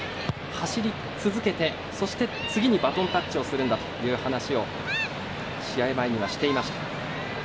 走り続けて、そして次にバトンタッチをするんだという話を試合前にはしていました。